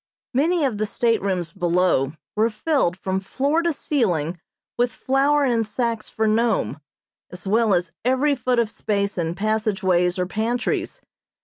Many of the staterooms below were filled from floor to ceiling with flour in sacks for Nome, as well as every foot of space in passage ways or pantries.